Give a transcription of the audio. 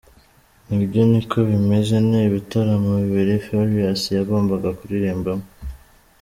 Nibyo niko bimeze ni ibitaramo bibiri Farious yagombaga kuririmbamo.